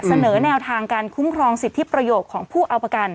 เสนอแนวทางการคุ้มครองสิทธิประโยชน์ของผู้เอาประกัน